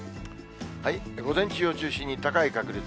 午前中を中心に高い確率。